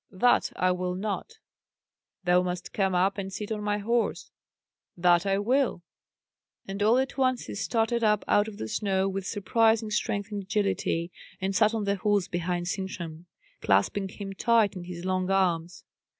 "That I will not." "Thou must come up and sit on my horse." "That I will." And all at once he started up out of the snow with surprising strength and agility, and sat on the horse behind Sintram, clasping him tight in his long arms.